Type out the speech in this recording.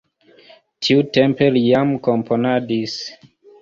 Tiutempe li jam komponadis.